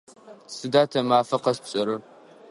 Сыда тэ мафэ къэс тшӏэрэр?